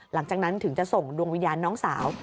หลังจากนั้นถึงจะส่งดวงวิญญาณน้องสาว